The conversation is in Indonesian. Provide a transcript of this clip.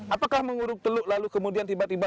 apakah menguruk teluk lalu kemudian tiba tiba